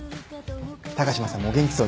高島さんもお元気そうで。